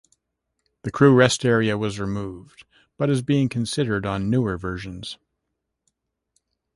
The crew rest area was removed, but is being considered on newer versions.